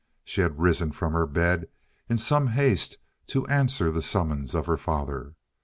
She had risen from her bed in some haste to answer the summons of her father.